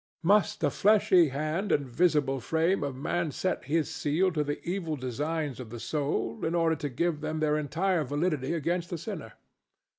Must the fleshly hand and visible frame of man set its seal to the evil designs of the soul, in order to give them their entire validity against the sinner?